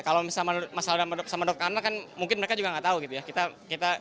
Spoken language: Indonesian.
kalau misalnya sama dokter anak kan mungkin mereka juga gak tau gitu ya